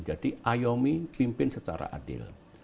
jadi ayomi pimpin secara adil